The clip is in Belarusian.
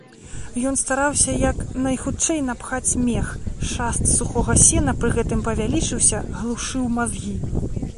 Ён стараўся як найхутчэй напхаць мех, шаст сухога сена пры гэтым павялічыўся, глушыў мазгі.